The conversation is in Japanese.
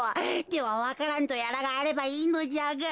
ではわか蘭とやらがあればいいのじゃが。